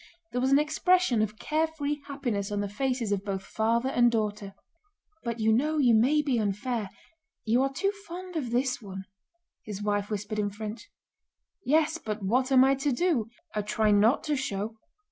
There was an expression of carefree happiness on the faces of both father and daughter. "But you know you may be unfair. You are too fond of this one," his wife whispered in French. "Yes, but what am I to do?... I try not to show..."